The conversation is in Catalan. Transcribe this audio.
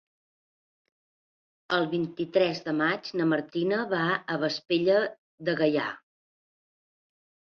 El vint-i-tres de maig na Martina va a Vespella de Gaià.